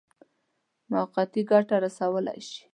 موقتي ګټه رسولای شي.